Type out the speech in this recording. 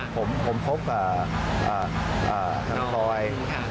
ผมคบกับพลอย